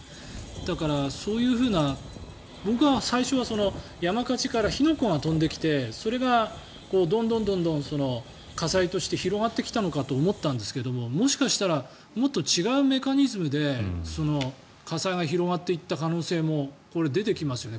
だから、そういうふうな僕は最初は山火事から火の粉が飛んできてそれがどんどん火災として広がってきたのかと思ったんですがもしかしたらもっと違うメカニズムで火災が広がっていった可能性も出てきますよね。